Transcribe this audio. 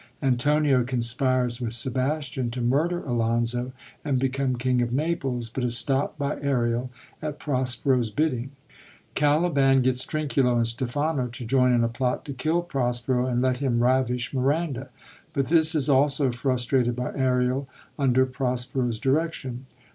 Antonio conspires with Sebastian to murder Alonso and become king of Naples, but is stopt by Ariel at Prospero's bidding. ^Oaliban gets Trinculo and Stephano to join in a plot to kill Prospero and let him ravish Miranda ; but this is also f rusti^ed by Ariel under Prospero's direction.